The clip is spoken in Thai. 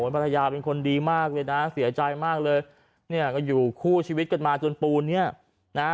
ภรรยาเป็นคนดีมากเลยนะเสียใจมากเลยเนี่ยก็อยู่คู่ชีวิตกันมาจนปูนเนี่ยนะฮะ